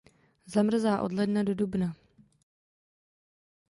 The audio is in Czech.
Zamrzá od ledna do dubna.